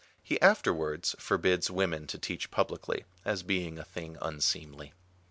He afterwards forbids women to teach publicly, as being a thing unseemly.